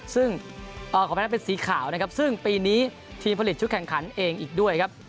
ซึ่งขออภัยนั้นเป็นสีขาวนะครับซึ่งปีนี้ทีมผลิตชุดแข่งขันเองอีกด้วยครับ